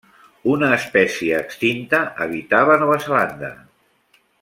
Una espècie extinta habitava Nova Zelanda.